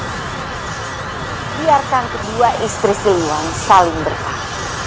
bagus biarkan kedua istri saya saling bertahun tahun